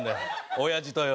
おやじとよ。